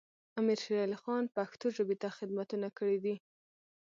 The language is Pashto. امیر شیر علی خان پښتو ژبې ته خدمتونه کړي دي.